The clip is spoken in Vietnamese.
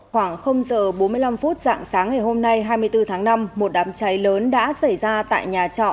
khoảng giờ bốn mươi năm phút dạng sáng ngày hôm nay hai mươi bốn tháng năm một đám cháy lớn đã xảy ra tại nhà trọ